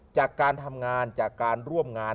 จากการทำงานจากการร่วมงาน